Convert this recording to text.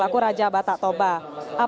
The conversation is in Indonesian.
nah terkait tadi bapak sempat menyebutkan